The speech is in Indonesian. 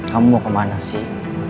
kamu mau kemana sih